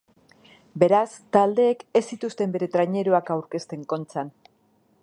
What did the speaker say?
Beraz, taldeek ez zituzten bere traineruak aurkezten Kontxan.